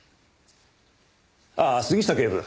ああ杉下警部。